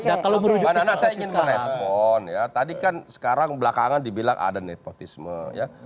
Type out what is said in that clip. mana mana saya ingin melepon ya tadi kan sekarang belakangan dibilang ada nepotisme ya